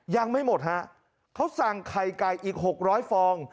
ยังไม่หมดฮะเขาสั่งไข่ไก่อีก๖๐๐ฟอง